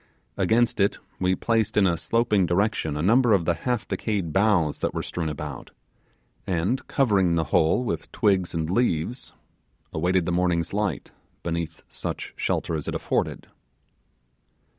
Against it we placed in a sloping direction a number of the half decayed boughs that were strewn about, and covering the whole with twigs and leaves, awaited the morning's light beneath such shelter as it afforded.